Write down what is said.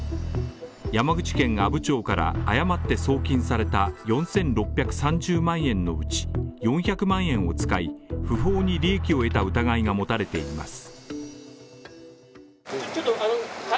山口県阿武町から誤って送金された４６３０万円のうち４００万円を使い、不法に利益を得た疑いが持たれています。